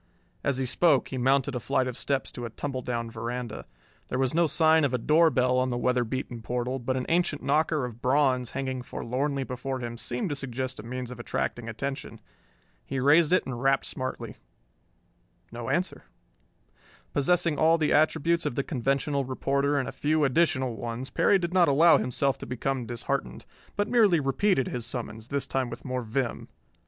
As he spoke he mounted a flight of steps to a tumbledown veranda. There was no sign of a door bell on the weather beaten portal, but an ancient knocker of bronze hanging forlornly before him seemed to suggest a means of attracting attention. He raised it and rapped smartly. No answer. Possessing all the attributes of the conventional reporter and a few additional ones, Perry did not allow himself to become disheartened, but merely repeated his summons, this time with more vim.